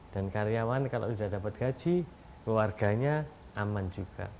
dan karyawan kalau sudah dapat gaji keluarganya aman juga